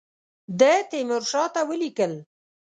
ده تیمورشاه ته ولیکل.